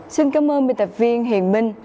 xin cảm ơn biên tập viên hiền minh